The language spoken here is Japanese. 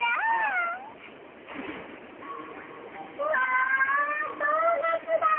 うわドーナツだ！